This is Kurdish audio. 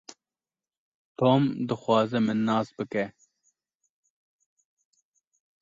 Tom dixwaze min nas bike.